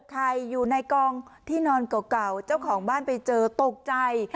ใครอยู่ในกองที่นอนเก่าเจ้าของบ้านไปเจอตกใจ